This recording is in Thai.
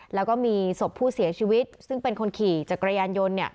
แล้วก็มีศพผู้เสียชีวิตซึ่งเป็นคนขี่จักรยานยนต์